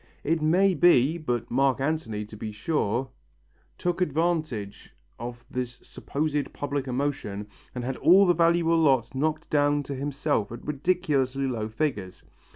It may be, but Mark Antony, to be sure, took advantage of this supposed public emotion and had all the valuable lots knocked down to himself at ridiculously low figures.